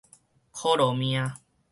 箍絡命